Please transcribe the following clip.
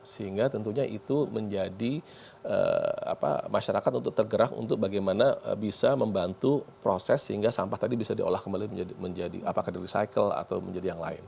sehingga tentunya itu menjadi masyarakat untuk tergerak untuk bagaimana bisa membantu proses sehingga sampah tadi bisa diolah kembali menjadi apakah di recycle atau menjadi yang lain